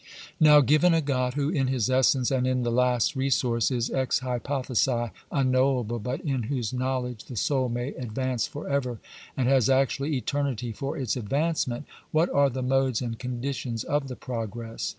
"^ Now, given a God who in his essence, and in the last resource, is ex hypothesi unknowable, but in whose know ledge the soul may advance for ever, and has actually eternity for its advancement, what are the modes and conditions of the progress